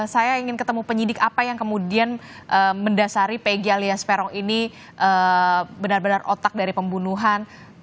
saya ingin ketemu penyidik apa yang kemudian mendasari pegi alias peron ini benar benar otak dari pembunuhan